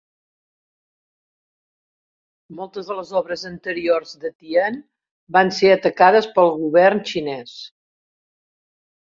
Moltes de les obres anteriors de Tian van ser atacades pel govern xinès.